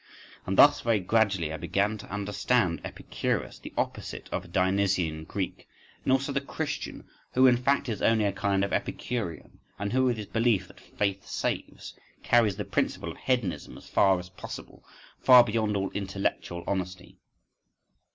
… And thus very gradually, I began to understand Epicurus, the opposite of a Dionysian Greek, and also the Christian who in fact is only a kind of Epicurean, and who, with his belief that "faith saves," carries the principle of Hedonism as far as possible—far beyond all intellectual honesty.